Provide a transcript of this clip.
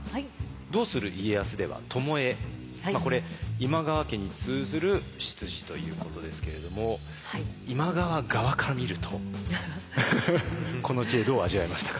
「どうする家康」では巴これ今川家に通ずる出自ということですけれども今川側から見るとこの知恵どう味わいましたか？